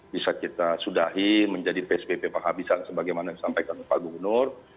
bisa kita sudahi menjadi pspb pahabisan sebagaimana yang disampaikan pak gubernur